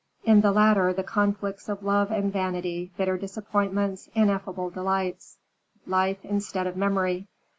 In the latter, the conflicts of love and vanity; bitter disappointments, ineffable delights; life instead of memory.